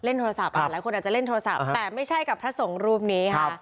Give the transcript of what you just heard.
โทรศัพท์หลายคนอาจจะเล่นโทรศัพท์แต่ไม่ใช่กับพระสงฆ์รูปนี้ค่ะ